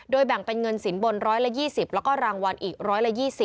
โดยแบ่งเป็นเงินสินบนร้อยละ๒๐แล้วก็รางวัลอีกร้อยละ๒๐